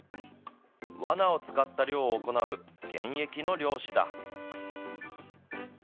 わなを使った猟を行う現役の猟師だ。